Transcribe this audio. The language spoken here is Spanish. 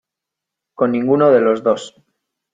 con ninguno de los dos.